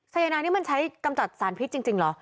สายนายนี้มันใช้กำจัดสารพิษจริงเหรอ